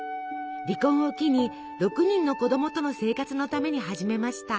離婚を機に６人の子供との生活のために始めました。